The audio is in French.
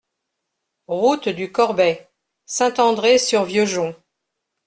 Route du Corbet, Saint-André-sur-Vieux-Jonc